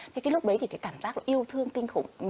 thì cái lúc đấy thì cái cảm giác yêu thương kinh khủng